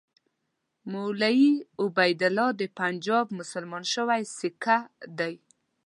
مولوي عبیدالله د پنجاب مسلمان شوی سیکه دی.